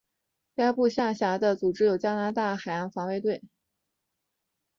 该部下辖的组织有加拿大海岸防卫队。